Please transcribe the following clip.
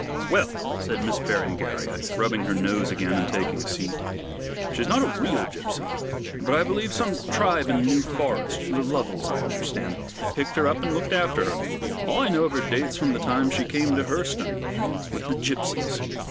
"Well," said Miss Berengaria, rubbing her nose again and taking a seat, "she's not a real gipsy, but I believe some tribe in the New Forest the Lovels, I understand picked her up, and looked after her. All I know of her dates from the time she came to Hurseton, with the gipsies.